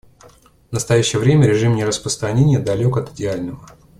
В настоящее время режим нераспространения далек от идеального.